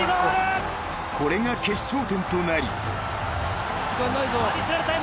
［これが決勝点となり］